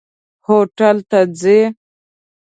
هوټل ته ځئ؟